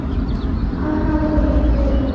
আমার কাপড়, হে পাথর!